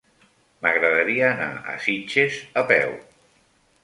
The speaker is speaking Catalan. M'agradaria anar a Sitges a peu.